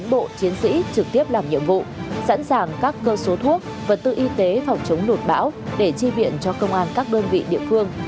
bộ chiến sĩ trực tiếp làm nhiệm vụ sẵn sàng các cơ số thuốc vật tư y tế phòng chống lụt bão để chi viện cho công an các đơn vị địa phương